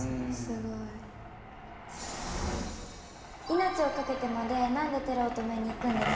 命をかけてまで何でテロを止めに行くんですか？